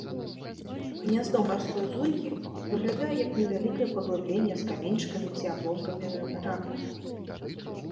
Гняздо марской зуйкі выглядае як невялікае паглыбленне з каменьчыкамі ці абломкамі ракавін.